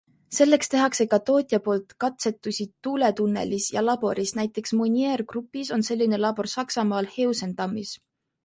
Selleks tehakse ka tootja poolt katsetusi tuuletunnelis ja laboris, näiteks Monier Grupis on selline labor Saksamaal, Heusentammis.